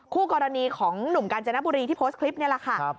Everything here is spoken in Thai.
คู่กรณีของหนุ่มกาญจนบุรีที่โพสต์คลิปนี่แหละค่ะ